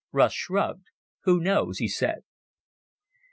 Russ shrugged. "Who knows?" he said.